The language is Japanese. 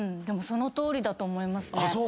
そのとおりだと思いますね。